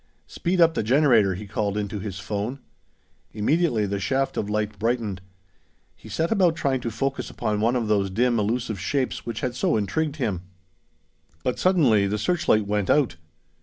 "Speed up the generator," he called into his phone. Immediately the shaft of light brightened. He set about trying to focus upon one of those dim elusive shapes which had so intrigued him. But suddenly the searchlight went out!